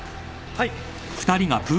はい。